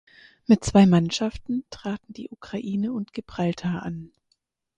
Mit zwei Mannschaften traten die Ukraine und Gibraltar an.